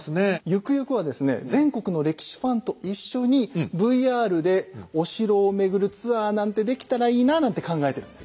ゆくゆくはですね全国の歴史ファンと一緒にＶＲでお城を巡るツアーなんてできたらいいななんて考えてるんです。